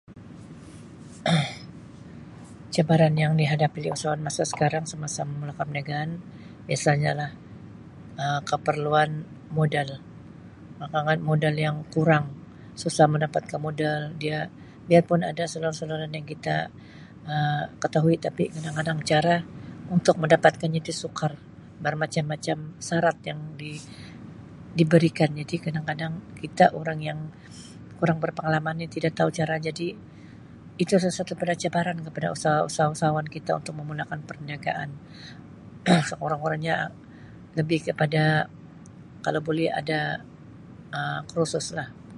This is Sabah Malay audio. Cabaran yang dihadapi oleh usahawan masa sekarang semasa memulakan perniagaan biasanya lah Um keperluan modal kekangan modal yang kurang susah mau dapatkan modal dia biar pun ada saluran-saluran yang kita Um ketahui tapi kadang-kadang cara untuk mendapatkannya tu sukar bermacam-macam syarat yang di-diberikan jadi kadang-kadang kita orang yang kurang berpengalaman ni tidak tau cara jadi itu satu-satu cabaran kepada usaha-usahawan-usahawan kita untuk memulakan perniagaan sekurang-kurangnya lebih kepada kalau boleh ada Um kursus lah.